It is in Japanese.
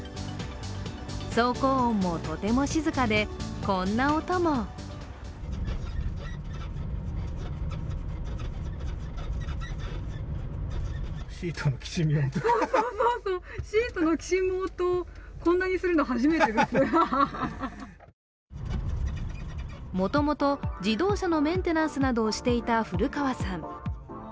走行音もとても静かでこんな音ももともと自動車のメンテナンスなどをしていた古川さん。